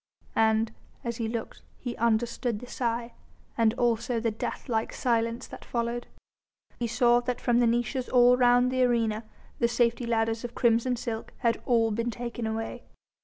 And as he looked he understood the sigh, and also the death like silence that followed. He saw that from the niches all round the arena the safety ladders of crimson silk had all been taken away.